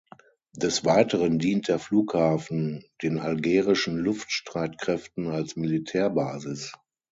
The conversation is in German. Des Weiteren dient der Flughafen den Algerischen Luftstreitkräften als Militärbasis.